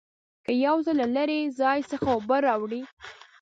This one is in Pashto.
که یو ځل له لرې ځای څخه اوبه راوړې.